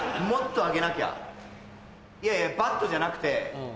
もっと上げなきゃいやいやバットじゃなくて。